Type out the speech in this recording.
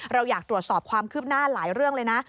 เราอยากตรวจสอบความคืบหน้าหลายเรื่องเลยนะ